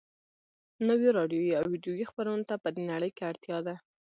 نویو راډیویي او ويډیویي خپرونو ته په دې نړۍ کې اړتیا ده